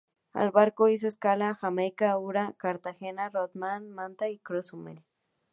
El barco hizo escala en Jamaica, Aruba, Cartagena, Rodman, Manta y Cozumel.